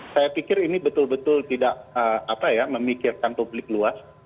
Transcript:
saya pikir ini betul betul tidak memikirkan publik luas